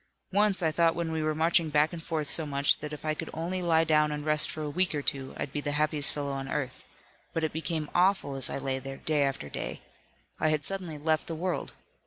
Once, I thought when we were marching back and forth so much that if I could only lie down and rest for a week or two I'd be the happiest fellow on earth. But it became awful as I lay there, day after day. I had suddenly left the world.